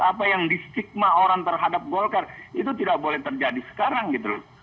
apa yang distigma orang terhadap golkar itu tidak boleh terjadi sekarang gitu loh